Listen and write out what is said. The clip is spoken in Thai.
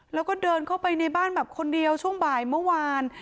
แล้วก็เดินเข้าไปในบ้านแบบคนเดียวช่วงบ่ายเมื่อวาน